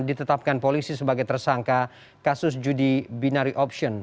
ditetapkan polisi sebagai tersangka kasus judi binary option